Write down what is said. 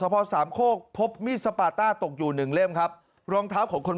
พอสามโคกพบมีดสปาต้าตกอยู่หนึ่งเล่มครับรองเท้าของคน